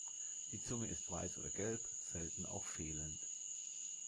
Die Zunge ist weiß oder gelb, selten auch fehlend.